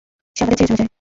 সে আমাদের ছেড়ে চলে যায়।